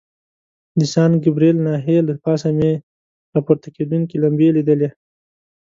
د سان ګبریل ناحیې له پاسه مې را پورته کېدونکي لمبې لیدلې.